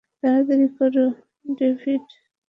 তাড়াতাড়ি করো, ডেভিড!